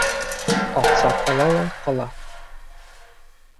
Аҡса ҡалала ҡала.